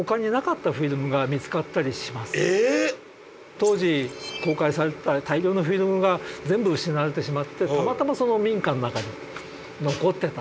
当時公開されてた大量のフィルムが全部失われてしまってたまたまその民家の中に残ってた。